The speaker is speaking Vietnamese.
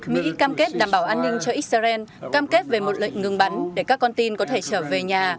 mỹ cam kết đảm bảo an ninh cho israel cam kết về một lệnh ngừng bắn để các con tin có thể trở về nhà